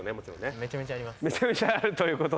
めちゃめちゃあるということで。